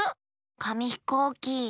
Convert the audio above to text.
かみひこうき。